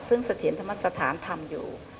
ซึ่งเสถียรธรรมสถานทำอยู่